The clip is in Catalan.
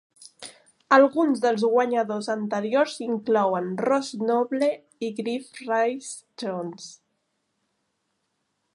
Alguns dels guanyadors anteriors inclouen Ross Noble i Griff Rhys Jones.